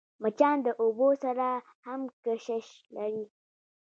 مچان د اوبو سره هم کشش لري